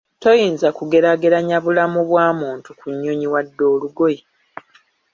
Toyinza kugeraageranya bulamu bwa muntu ku nnyonyi wadde olugoye.